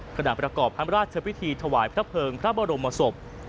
ขณะประกอบพระราชพิธีถวายพระเภิงพระบรมศพ